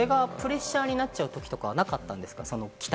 それがプレッシャーになっちゃうときってなかったんですか？